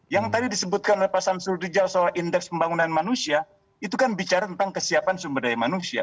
yang tadi disebutkan lepasan surujal soal indeks pembangunan manusia itu kan bicara tentang kesiapan sumber daya manusia